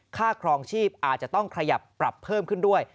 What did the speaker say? ครองชีพอาจจะต้องขยับปรับเพิ่มขึ้นด้วย